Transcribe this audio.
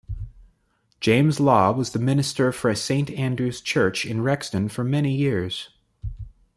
James Law was the Minister for Saint Andrew's Church in Rexton for many years.